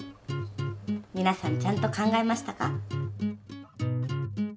皆さんちゃんと考えましたか？